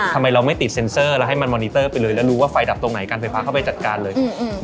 ทำไมเราไม่ติดเซ็นเซอร์แล้วให้มันมอนิเตอร์ไปเลยแล้วรู้ว่าไฟดับตรงไหนการไฟฟ้าเข้าไปจัดการเลย